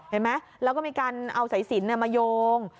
เห็นไหมแล้วก็มีการเอาสายสินมาโยง